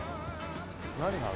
何がある？